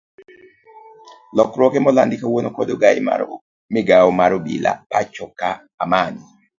Lokruoge molandi kawuono kod ogai mar bad migao mar obila pachoka Amani.